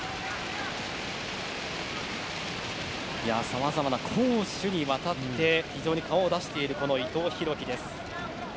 さまざまな攻守にわたって非常に顔を出している伊藤洋輝。